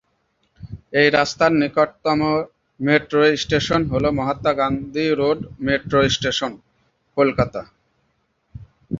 এই রাস্তার নিকটতম মেট্রো স্টেশন হল Mahatma Gandhi road metro station, Kolkata.